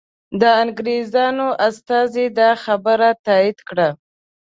د انګریزانو استازي دا خبر تایید کړ.